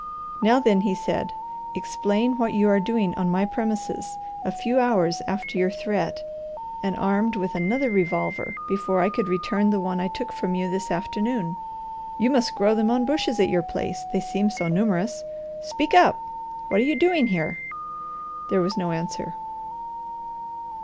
"Now then," he said, "explain what you are doing on my premises, a few hours after your threat, and armed with another revolver before I could return the one I took from you this afternoon. You must grow them on bushes at your place, they seem so numerous. Speak up! What are you doing here?" There was no answer.